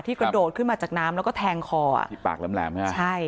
กระโดดขึ้นมาจากน้ำแล้วก็แทงคออ่ะที่ปากแหลมใช่ไหมใช่